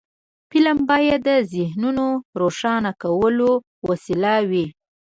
فلم باید د ذهنونو روښانه کولو وسیله وي